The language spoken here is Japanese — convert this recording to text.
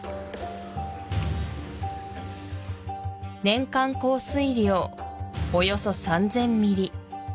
年間降水量およそ３０００ｍｍ